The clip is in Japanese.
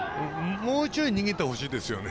もうちょい逃げてほしいですよね。